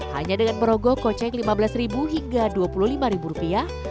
hanya dengan merogoh kocek lima belas ribu hingga dua puluh lima ribu rupiah